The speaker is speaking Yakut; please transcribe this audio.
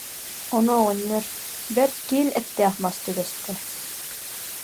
Ону оҕонньор: «Бэрт киил эттээх мас түбэстэ